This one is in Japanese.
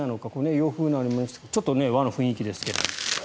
洋風なのもありますがちょっと和の雰囲気ですが。